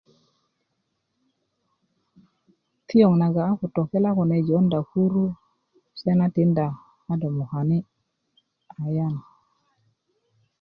piyoŋ nagon a ko tokela kune jonda kuru se na tikinda a do mokani' ayan